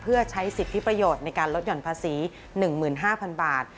เพื่อใช้สิทธิประโยชน์ในการลดหย่อนภาษี๑๕๐๐๐บาท